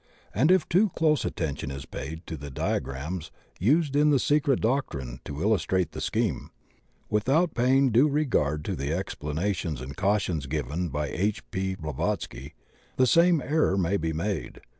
And if too close attention is paid to the diagrams used in the Secret Doctrine to illustrate the scheme, without paying due regard to the explanations and cautions given by H. P. Blavatsky, the same error may be made.